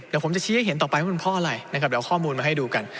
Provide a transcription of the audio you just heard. เดี๋ยวผมจะชี้ให้เห็นต่อไปว่ามันเพราะอะไรนะครับเดี๋ยวเอาข้อมูลมาให้ดูกัน